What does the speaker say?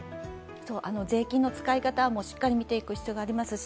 税金の使い方、しっかり見ていく必要がありますし